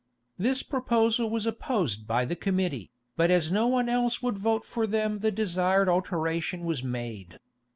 This proposal was opposed by the committee, but as no one else would vote for them the desired alteration was made.